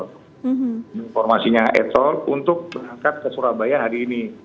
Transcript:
informasinya etol untuk berangkat ke surabaya hari ini